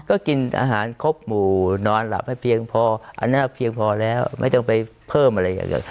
ก็กินอาหารครบหมู่นอนหลับให้เพียงพออันนี้เพียงพอแล้วไม่ต้องไปเพิ่มอะไรอย่างเดียว